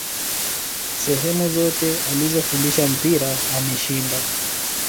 sehemu zote alizofundisha mpira ameshinda